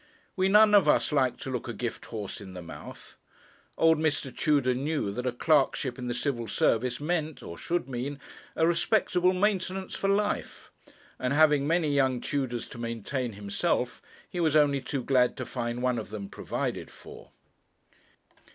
We none of us like to look a gift horse in the mouth. Old Mr. Tudor knew that a clerkship in the Civil Service meant, or should mean, a respectable maintenance for life, and having many young Tudors to maintain himself, he was only too glad to find one of them provided for.